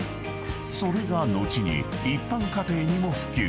［それが後に一般家庭にも普及］